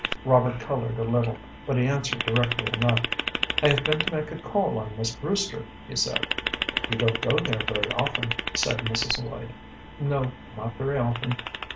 Robert colored a little, but he answered directly enough. "I have been to make a call on Miss Brewster," he said. "You don't go there very often," said Mrs. Lloyd. "No, not very often."